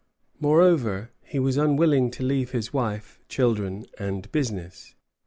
_] Moreover, he was unwilling to leave his wife, children, and business.